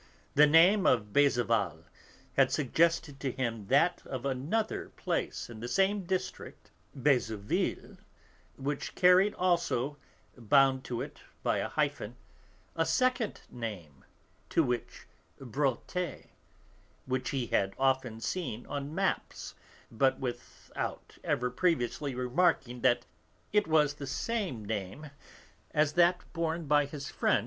The name of Beuzeval had suggested to him that of another place in the same district, Beuzeville, which carried also, bound to it by a hyphen, a second name, to wit Bréauté, which he had often seen on maps, but without ever previously remarking that it was the same name as that borne by his friend M.